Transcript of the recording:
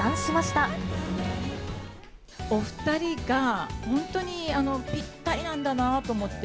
お２人が本当にぴったりなんだなと思って。